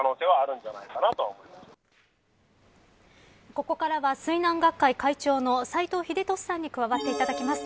ここからは、水難学会会長の斎藤秀俊さんに加わっていただきます。